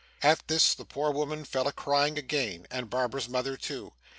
At this the poor woman fell a crying again, and Barbara's mother too.